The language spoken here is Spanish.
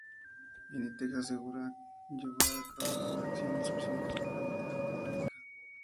Inditex asegura llevar a cabo acciones específicas para evitar esta práctica.